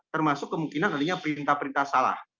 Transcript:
termasuk kemungkinan adanya perintah perintah salah